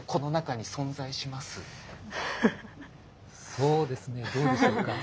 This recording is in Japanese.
そうですねどうでしょうか？